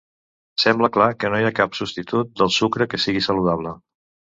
Sembla clar que no hi ha cap substitut del sucre que sigui saludable.